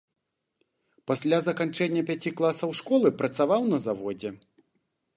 Пасля заканчэння пяці класаў школы працаваў на заводзе.